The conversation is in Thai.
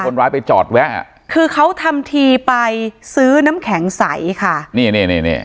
คนร้ายไปจอดแวะคือเขาทำทีไปซื้อน้ำแข็งใสค่ะนี่นี่นี่